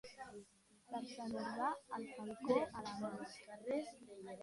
Per Sant Urbà, el falcó a la mà.